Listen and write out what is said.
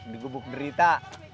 di gubuk derita